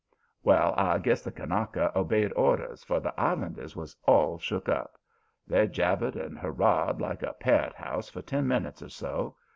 "Well, I guess the Kanaka obeyed orders, for the islanders was all shook up. They jabbered and hurrahed like a parrot house for ten minutes or so.